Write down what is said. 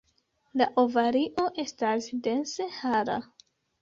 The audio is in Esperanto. La ovario estas dense hara.